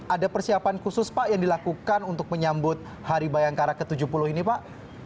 ada persiapan khusus pak yang dilakukan untuk menyambut hari bayangkara ke tujuh puluh ini pak